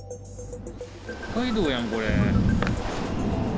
北海道やん、これ。